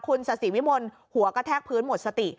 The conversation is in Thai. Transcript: คุณศาสิวิมลหัวกระแทกพื้นหมดสติ